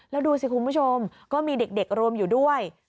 แล้วดูสิคุณผู้ชมก็มีเด็กรวมอยู่ด้วย